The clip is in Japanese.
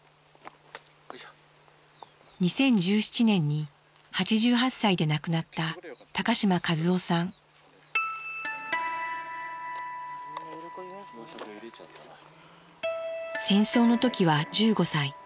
２０１７年に８８歳で亡くなった戦争の時は１５歳。